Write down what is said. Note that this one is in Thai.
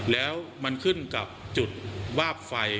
แล้วมันขึ้นกับจุดวาบไฟ